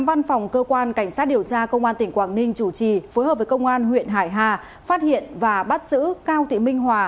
văn phòng cơ quan cảnh sát điều tra công an tỉnh quảng ninh chủ trì phối hợp với công an huyện hải hà phát hiện và bắt giữ cao thị minh hòa